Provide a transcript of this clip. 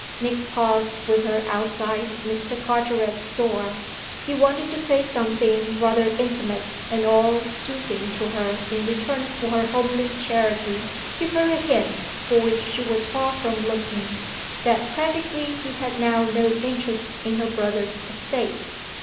Nick paused with her outside Mr. Carteret's door. He wanted to say something rather intimate and all soothing to her in return for her homely charity give her a hint, for which she was far from looking, that practically he had now no interest in her brother's estate.